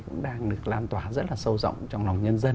cũng đang được lan tỏa rất là sâu rộng trong lòng nhân dân việt nam